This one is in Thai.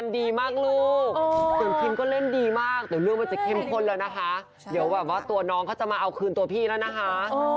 เดี๋ยวอะไรวะตัวน้องเขาจะมาเอาคืนตัวพี่นะฮะ